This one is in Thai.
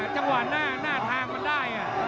จังหวะหน้าทางมันได้